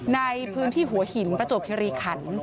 ในพื้นที่หัวหินประจวบคิริขัน